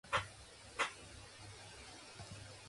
The song was given positive reviews from critics and writers.